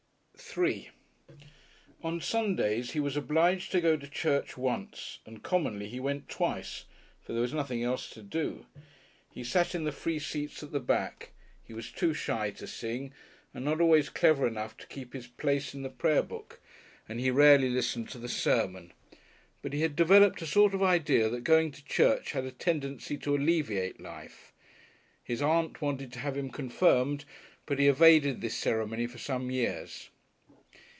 §3 On Sundays he was obliged to go to church once, and commonly he went twice, for there was nothing else to do. He sat in the free seats at the back; he was too shy to sing, and not always clever enough to keep his place in the prayer book, and he rarely listened to the sermon. But he had developed a sort of idea that going to church had a tendency to alleviate life. His aunt wanted to have him confirmed, but he evaded this ceremony for some years.